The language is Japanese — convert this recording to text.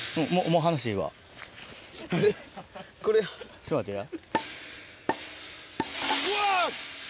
ちょっと待ってや。